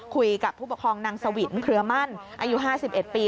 ผู้ปกครองนางสวินเครือมั่นอายุ๕๑ปี